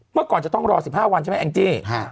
เมื่อก่อนจะต้องรอ๑๕วันใช่ไหมแองจี้